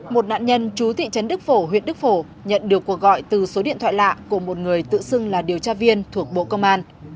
một nạn nhân chú thị trấn đức phổ huyện đức phổ nhận được cuộc gọi từ số điện thoại lạ của một người tự xưng là điều tra viên thuộc bộ công an